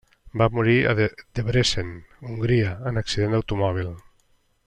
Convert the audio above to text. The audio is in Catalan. Va morir a Debrecen, Hongria, en accident d'automòbil.